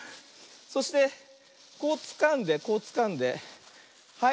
そしてこうつかんでこうつかんではい